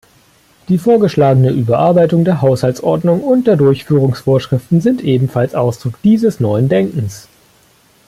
Die vorgeschlagene Überarbeitung der Haushaltsordnung und der Durchführungsvorschriften sind ebenfalls Ausdruck dieses neuen Denkens.